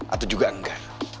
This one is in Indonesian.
atau juga engga